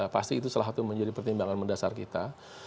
pasti itu salah satu pertimbangan mendasar kita